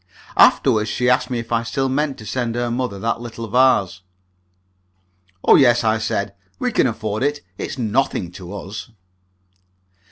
Afterward she asked me if I still meant to send her mother that little vase. "Oh, yes!" I said. "We can afford it; it's nothing to us."